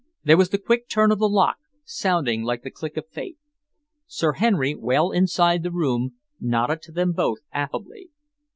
There was the quick turn of the lock, sounding like the click of fate. Sir Henry, well inside the room, nodded to them both affably.